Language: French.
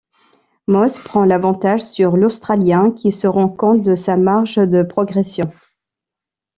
Moss prend l'avantage sur l'Australien qui se rend compte de sa marge de progression.